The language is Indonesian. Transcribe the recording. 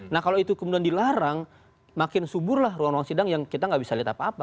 nah kalau itu kemudian dilarang makin suburlah ruang ruang sidang yang kita nggak bisa lihat apa apa